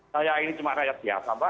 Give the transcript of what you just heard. saya ini cuma rakyat biasa mbak